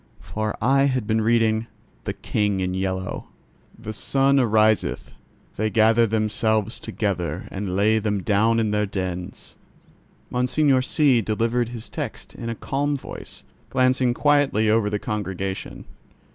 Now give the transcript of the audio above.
For I had been reading The King in Yellow. "The sun ariseth; they gather themselves together and lay them down in their dens." Monseigneur C—— delivered his text in a calm voice, glancing quietly over the congregation.